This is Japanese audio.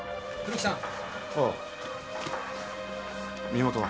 身元は？